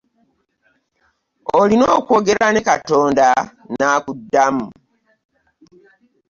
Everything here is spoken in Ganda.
Olina okwogera ne Katonda n'akuddamu.